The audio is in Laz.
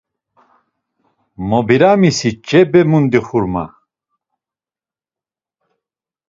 “Mobirami si ç̌e be mundi xurma!”